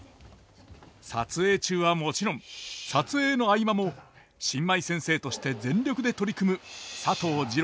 撮影中はもちろん撮影の合間も新米先生として全力で取り組む佐藤二朗さんでした。